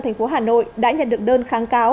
tp hà nội đã nhận được đơn kháng cáo